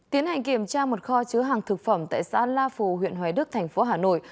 tiến hành kiểm tra một kho chứa hàng thực phẩm tại xã la phù huyện huế đức thành phố hà nội